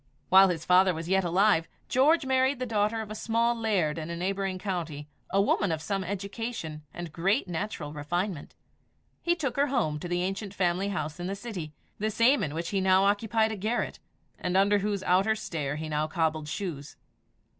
While his father was yet alive, George married the daughter of a small laird in a neighbouring county a woman of some education, and great natural refinement. He took her home to the ancient family house in the city the same in which he now occupied a garret, and under whose outer stair he now cobbled shoes.